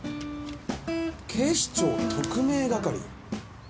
警視庁特命係？